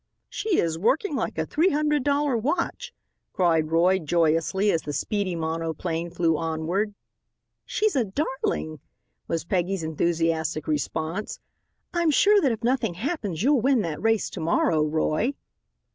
"She is working like a three hundred dollar watch," cried Roy joyously as the speedy monoplane flew onward. "She's a darling," was Peggy's enthusiastic response. "I'm sure that if nothing happens you'll win that race to morrow, Roy."